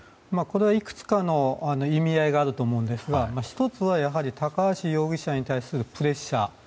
これはいくつかの意味合いがあると思うんですが１つは、高橋容疑者に対するプレッシャー。